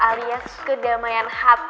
alias kedamaian hati